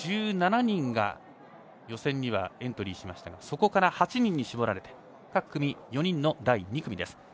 １７人が予選にはエントリーしましたがそこから８人に絞られて各組４人の第２組です。